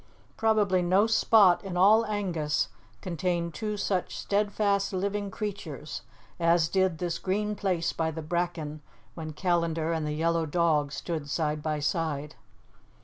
Probably no spot in all Angus contained two such steadfast living creatures as did this green place by the bracken when Callandar and the yellow dog stood side by side.